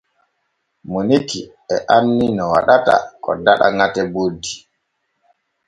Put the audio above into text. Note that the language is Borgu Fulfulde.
Moniki e anni no waɗata ko daɗa ŋate boddi.